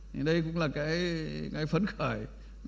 thì đây cũng là cái phấn khởi